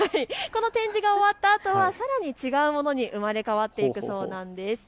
この展示会が終わったあとはさらに違うものに生まれ変わっていくそうです。